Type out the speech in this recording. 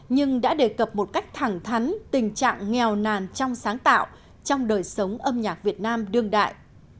nhưng đã đề cập một cách thẳng thắn tình trạng nghèo nàn trong sáng tạo trong đời sống âm nhạc việt nam đương đại